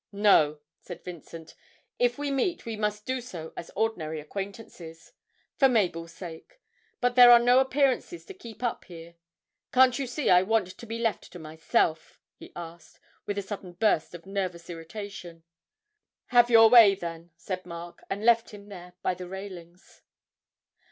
'No,' said Vincent; 'if we meet we must do so as ordinary acquaintances for Mabel's sake. But there are no appearances to keep up here. Can't you see I want to be left to myself?' he asked, with a sudden burst of nervous irritation. 'Have your way then?' said Mark, and left him there by the railings.